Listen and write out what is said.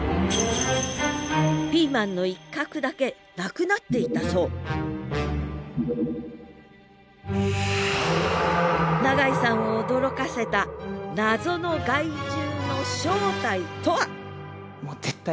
ピーマンの一角だけなくなっていたそう永井さんを驚かせた謎の害獣の正体とは？